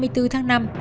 nói chung là